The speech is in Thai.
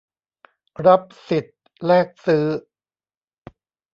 รับสิทธิ์แลกซื้อ